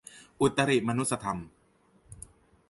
อุตริมนุสธรรม